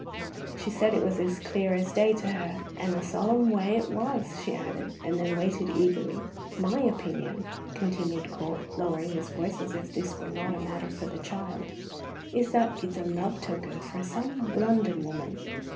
She said it was as clear as day to her. "And a solemn way it was," she added, and then waited eagerly. "My opinion," continued Corp, lowering his voice as if this were not matter for the child, "is that it's a love token frae some London woman."